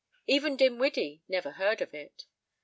Even Dinwiddie never heard of it.